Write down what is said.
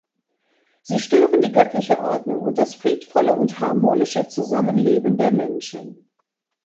Sie stören die göttliche Ordnung und das friedvolle und harmonische Zusammenleben der Menschen.